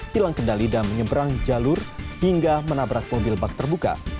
hilang kendali dan menyeberang jalur hingga menabrak mobil bak terbuka